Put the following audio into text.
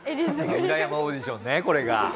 裏山オーディションねこれが。